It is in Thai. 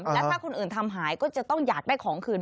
แล้วถ้าคนอื่นทำหายก็จะต้องอยากได้ของคืน